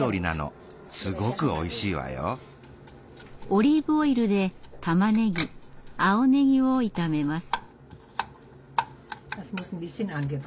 オリーブオイルでたまねぎ青ねぎを炒めます。